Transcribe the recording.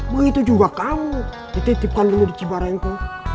begitu juga kamu dititipkan di cibarengko